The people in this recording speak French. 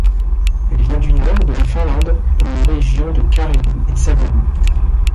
Elle vient du nord de la Finlande, dans les régions de Carélie et Savonie.